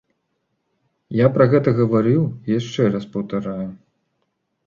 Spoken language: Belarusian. Я пра гэта гаварыў і яшчэ раз паўтараю.